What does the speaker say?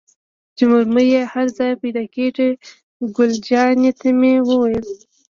چې مرمۍ یې هر ځای پيدا کېدې، ګل جانې ته مې وویل.